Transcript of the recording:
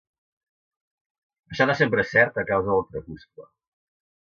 Això no sempre és cert a causa del crepuscle.